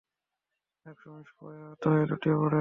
এক সময় সবাই আহত হয়ে লুটিয়ে পড়ে।